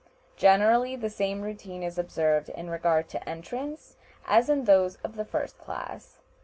Generally the same routine is observed in regard to entrance as in those of the first class.